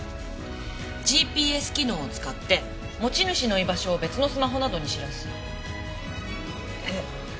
ＧＰＳ機能を使って持ち主の居場所を別のスマホなどに知らせるえっ。